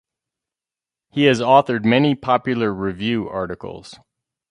He has authored many popular review articles.